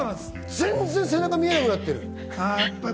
全然、背中が見えなくなっている。